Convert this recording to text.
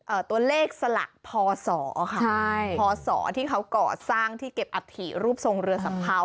ตัวเลขสลักพศค่ะใช่พศที่เขาก่อสร้างที่เก็บอัฐิรูปทรงเรือสัมเภา